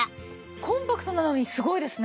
コンパクトなのにすごいですね。